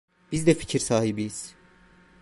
Biz de fikir sahibiyiz…